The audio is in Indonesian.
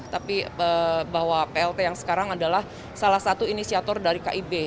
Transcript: tapi bahwa plt yang sekarang adalah salah satu inisiator dari kib